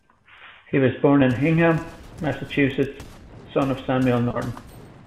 He was born in Hingham, Massachusetts, son of Samuel Norton.